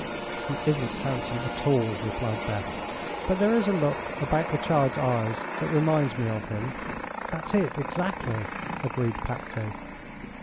"He isn't handsome at all," replied Beth; "but there is a look about the child's eyes that reminds me of him." "That's it, exactly," agreed Patsy.